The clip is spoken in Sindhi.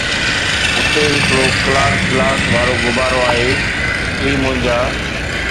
اتي ھڪڙو ڪلاڪ گلاس وارو غبارو آھي، اي منهنجا